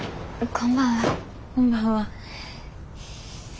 こんばんは。